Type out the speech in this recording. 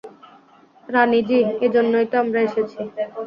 রানি-জি, এইজন্যই তো আমরা এসেছি।